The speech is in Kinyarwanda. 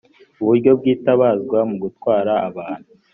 uburyo bwitabazwa mu gutwara abantu